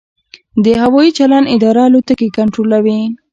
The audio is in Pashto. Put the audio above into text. د هوايي چلند اداره الوتکې کنټرولوي؟